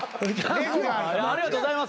ありがとうございます。